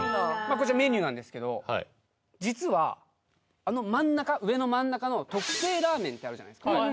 こちらメニューなんですけど実はあの真ん中上の真ん中の特製ラーメンってあるじゃないですか